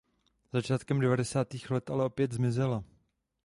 Začátkem devadesátých let ale opět zmizela.